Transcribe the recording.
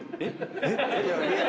えっ？